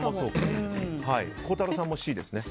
孝太郎さんもＣですね。